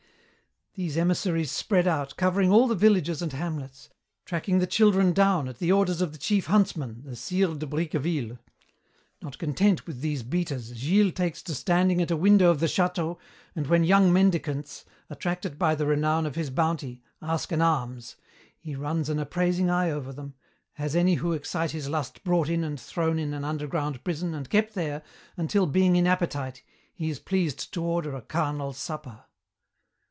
"These emissaries spread out, covering all the villages and hamlets, tracking the children down at the orders of the Chief Huntsman, the sire de Bricqueville. Not content with these beaters, Gilles takes to standing at a window of the château, and when young mendicants, attracted by the renown of his bounty, ask an alms, he runs an appraising eye over them, has any who excite his lust brought in and thrown into an underground prison and kept there until, being in appetite, he is pleased to order a carnal supper.